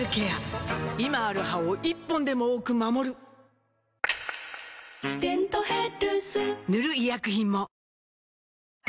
今ある歯を１本でも多く守る「デントヘルス」塗る医薬品も